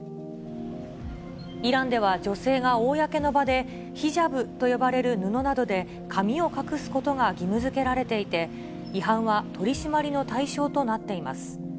イランでは女性が公の場で、ヒジャブと呼ばれる布などで髪を隠すことが義務づけられていて、違反は取締りの対象となっています。